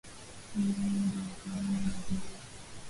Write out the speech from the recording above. tumia unga wa karanga na viazi